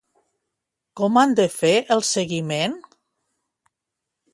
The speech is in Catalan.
Com han de fer el seguiment?